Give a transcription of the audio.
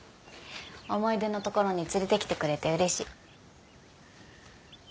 思い出のところに連れてきてくれてうれしい。